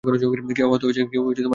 কেউ আহত হয়েছে?